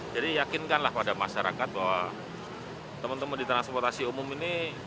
jadi yakinkanlah pada masyarakat bahwa teman teman di transportasi umum ini